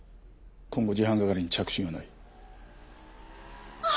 今後事犯係に着信はない。